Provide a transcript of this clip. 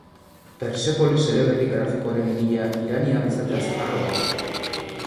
Persepolis eleberri grafikoaren egilea iraniar izateaz harro dago.